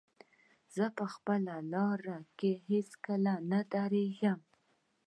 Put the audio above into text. زه به په خپله لاره کې هېڅکله نه درېږم.